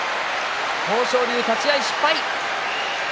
豊昇龍、立ち合い失敗。